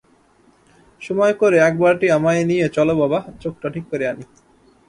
সময় করে একবারটি আমায় নিয়ে চলো বাবা, চোখটা ঠিক করে আনি।